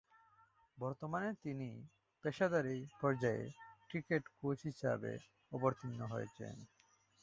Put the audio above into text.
বর্তমানে তিনি পেশাদারী পর্যায়ে ক্রিকেট কোচ হিসেবে অবতীর্ণ রয়েছেন।